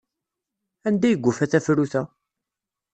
Anda ay yufa tafrut-a?